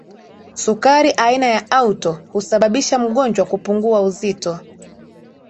sukari aina ya auto husababisha mgonjwa kupungua uzito